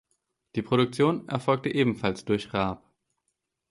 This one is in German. Die Produktion erfolgte ebenfalls durch Raab.